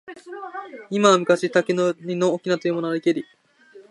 今は昔、竹取の翁というものありけり。